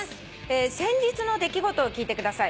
先日の出来事を聞いてください」